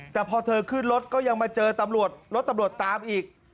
แต่พอเธอขึ้นรถก็ยังมาเจอตำรวจรถตำรวจตามอีก